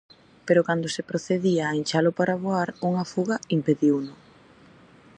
Pero cando se procedía a inchalo para voar, unha fuga impediuno.